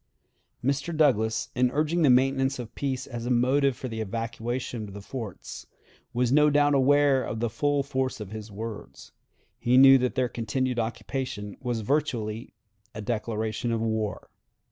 Mr. Douglas, in urging the maintenance of peace as a motive for the evacuation of the forts, was no doubt aware of the full force of his words. He knew that their continued occupation was virtually a declaration of war.